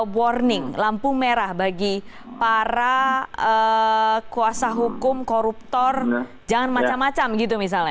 warning lampu merah bagi para kuasa hukum koruptor jangan macam macam gitu misalnya